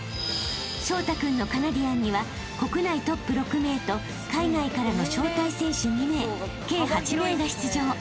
［彰太君のカナディアンには国内トップ６名と海外からの招待選手２名計８名が出場］